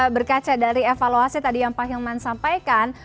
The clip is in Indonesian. berkaca dari evaluasi tadi yang pak hilman sampaikan